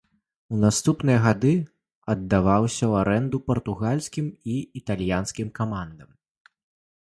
У наступныя гады аддаваўся ў арэнду партугальскім і італьянскім камандам.